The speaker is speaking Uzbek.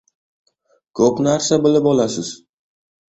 Ko‘p narsa bilib olasiz.